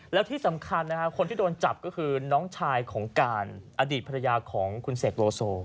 แล้วที่สำคัญคนที่โดนจับก็คือน้องชายของการอดีตภรรยาของคุณเสกโลโซ